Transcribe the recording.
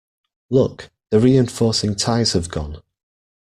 Look, the reinforcing ties have gone!